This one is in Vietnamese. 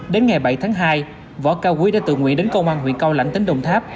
đến ngày bảy tháng hai võ cao quý đã tự nguyện đến công an huyện cao lãnh tỉnh đồng tháp